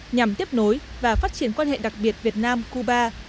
nhằm tiếp nối và phát triển quan hệ đặc biệt việt nam cuba